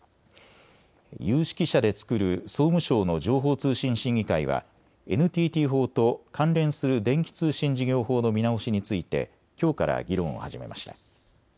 有識者で作る総務省の情報通信審議会はＮＴＴ法と関連する電気通信事業法の見直しについてきょうから議論を始めました。